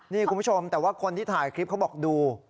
นี่คุณผู้ชมแต่ว่าคนที่ถ่ายคลิปเขาบอกดู